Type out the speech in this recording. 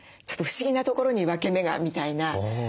ちょっと不思議な所に分け目がみたいな。